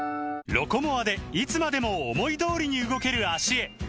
「ロコモア」でいつまでも思い通りに動ける脚へ！